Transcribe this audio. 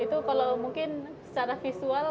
itu kalau mungkin secara visual